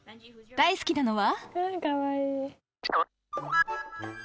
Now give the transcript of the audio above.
大好きなのは？